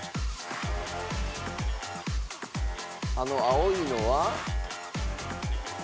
あの青いのは？